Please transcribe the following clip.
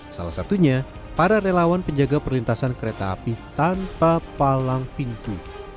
salah satunya para relawan penjaga perlintasan kereta api tanpa palang pintu